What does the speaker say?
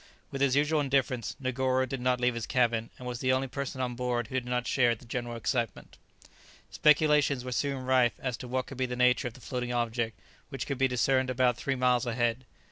With his usual indifference, Negoro did not leave his cabin, and was the only person on board who did not share the general excitement. Speculations were soon rife as to what could be the nature of the floating object which could be discerned about three miles ahead.